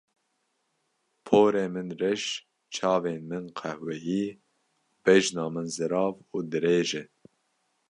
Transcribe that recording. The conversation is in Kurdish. Porê min reş, çavên min qehweyî û bejna min zirav û dirêj e.